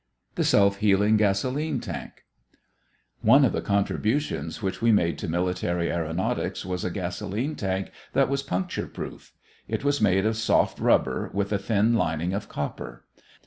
THE SELF HEALING GASOLENE TANK One of the contributions which we made to military aëronautics was a gasolene tank that was puncture proof. It was made of soft rubber with a thin lining of copper.